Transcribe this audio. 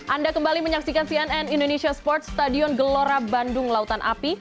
anda kembali menyaksikan cnn indonesia sports stadion gelora bandung lautan api